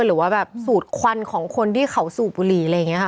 หรือว่าแบบสูดควันของคนที่เขาสูบบุหรี่อะไรอย่างนี้ค่ะ